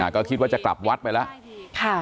อ่าก็คิดว่าจะกลับวัดไปละค่ะ